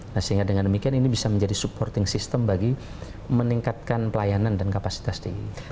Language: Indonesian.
nah sehingga dengan demikian ini bisa menjadi supporting system bagi meningkatkan pelayanan dan kapasitas tinggi